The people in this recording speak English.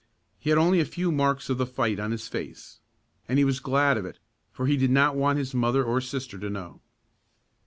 He had only a few marks of the fight on his face and he was glad of it, for he did not want his mother or sister to know.